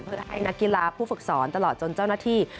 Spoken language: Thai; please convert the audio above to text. เพื่อให้นักกีฬาผู้ฝึกสอนตลอดจนเจ้าหน้าที่